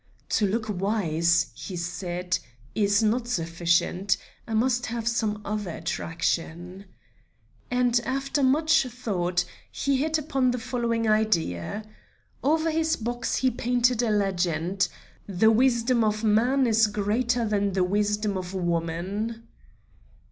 "To look wise," he said, "is not sufficient; I must have some other attraction." And after much thought he hit upon the following idea. Over his box he painted a legend: "The wisdom of man is greater than the wisdom of woman."